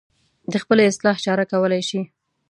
د خپلې اصلاح چاره کولی شي.